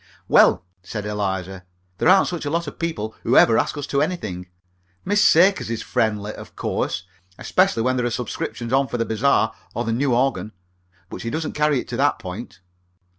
"Well," said Eliza, "there aren't such a lot of people who ever ask us to anything. Miss Sakers is friendly, of course, especially when there are subscriptions on for the bazaar or the new organ, but she doesn't carry it to that point."